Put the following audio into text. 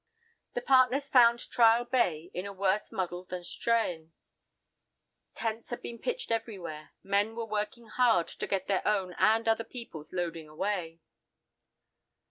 The partners found Trial Bay in a worse muddle than Strahan. Tents had been pitched everywhere; men were working hard to get their own and other peoples' loading away.